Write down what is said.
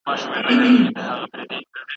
دا څېړنه به په راتلونکي کي ډېره ګټوره وي.